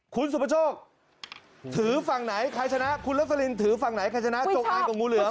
คุณสุประโชคถือฝั่งไหนใครชนะคุณลสลินถือฝั่งไหนใครชนะจงอางกับงูเหลือม